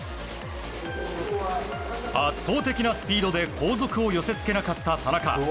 圧倒的なスピードで後続を寄せ付けなかった田中。